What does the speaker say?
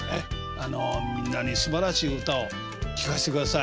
みんなにすばらしい歌を聴かせてください。